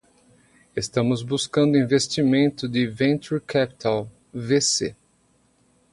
Estamos buscando investimento de venture capital (VC).